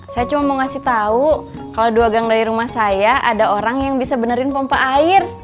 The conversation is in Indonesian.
saya cuma mau ngasih tahu kalau dua gang dari rumah saya ada orang yang bisa benerin pompa air